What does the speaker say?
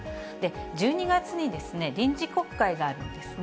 １２月に臨時国会があるんですね。